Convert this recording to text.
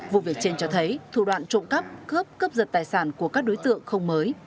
vụ việc trên cho thấy thủ đoạn trộm cắp cướp cướp giật tài sản của các đối tượng không mới